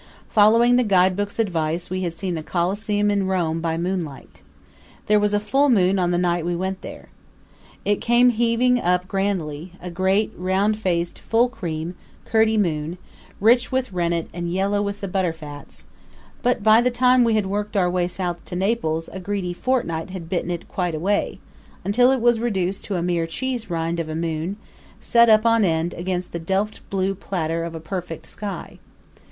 Following the guidebook's advice we had seen the Colosseum in Rome by moonlight. There was a full moon on the night we went there. It came heaving up grandly, a great, round faced, full cream, curdy moon, rich with rennet and yellow with butter fats; but by the time we had worked our way south to Naples a greedy fortnight had bitten it quite away, until it was reduced to a mere cheese rind of a moon, set up on end against the delft blue platter of a perfect sky.